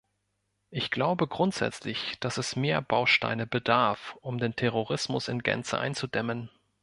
Ich glaube grundsätzlich, dass es mehr Bausteine bedarf, um den Terrorismus in Gänze einzudämmen.